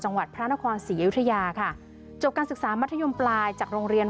จังหวัดพระนครศรีอยุธยาค่ะจบการศึกษามัธยมปลายจากโรงเรียน